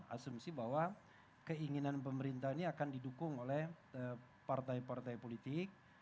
asumsi bahwa keinginan pemerintah ini akan didukung oleh partai partai politik